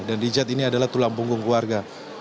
dan richard ini adalah tulang punggung keluarga